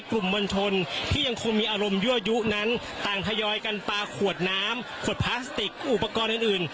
กลุ่มมวลชนที่ยังคงมีอารมณ์ยั่วยุนั้นต่างทยอยกันปลาขวดน้ำขวดพลาสติกอุปกรณ์อื่น